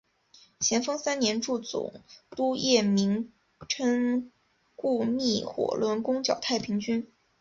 咸丰三年助总督叶名琛雇觅火轮攻剿太平军。